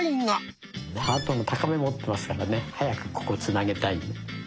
ハートの高め持ってますからね早くここをつなげたいね。